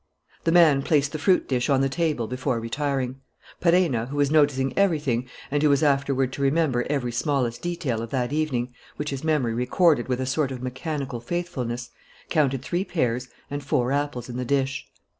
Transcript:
The man placed the fruit dish on the table before retiring. Perenna, who was noticing everything, and who was afterward to remember every smallest detail of that evening, which his memory recorded with a sort of mechanical faithfulness, counted three pears and four apples in the dish.